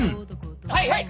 はいはい！